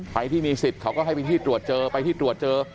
ไปที่มีสิทธิ์เขาก็ให้ไปที่ตรวจเจอ